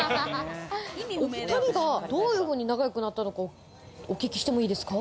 お２人はどういうふうに仲良くなったのか、お聞きしてもいいですか。